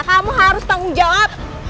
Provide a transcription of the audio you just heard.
kamu harus tanggung jawab